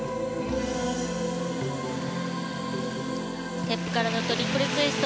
ステップからのトリプルツイスト。